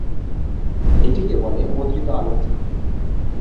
এটিকে বলে মুদ্রিত আলোকচিত্র।